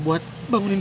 ketika amatr political